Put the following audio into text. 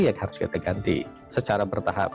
ya harus kita ganti secara bertahap